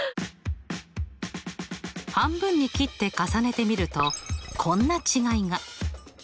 半分に切って重ねてみるとこんな違いが。